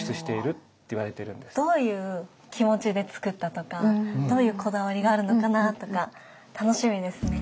どういう気持ちでつくったとかどういうこだわりがあるのかなとか楽しみですね。